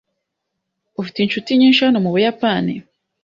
Ufite inshuti nyinshi hano mu Buyapani?